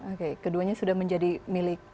oke keduanya sudah menjadi milik